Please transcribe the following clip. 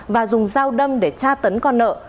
và dùng dao đâm để tra tấn con nợ